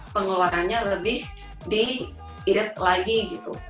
pengeluarannya lebih di irit lagi gitu